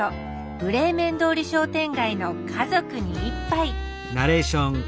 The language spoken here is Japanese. ブレーメン通り商店街の「家族に一杯」